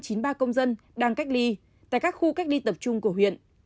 huyện tri tôn đang cách ly tại các khu cách ly tập trung của huyện